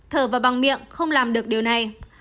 thở vào bằng miệng không làm được điều này